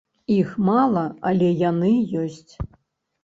Іх мала, але яны ёсць.